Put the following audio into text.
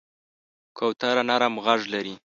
کوتره نرم غږ لري.